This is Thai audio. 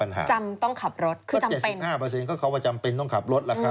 และร้อยละ๓๐นะครับ